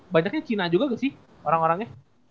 banyaknya cina juga gak sih orang orangnya